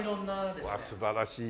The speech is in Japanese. うわ素晴らしい。